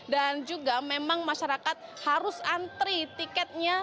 dan juga memang masyarakat harus antri tiketnya